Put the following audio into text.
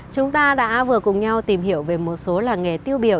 chúng ta đã vừa cùng nhau tìm hiểu về một số làng nghề tiêu biểu